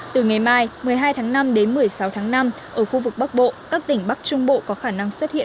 từ ngày mai một mươi hai tháng năm đến một mươi sáu tháng năm ở khu vực bắc bộ các tỉnh bắc trung bộ có khả năng xuất hiện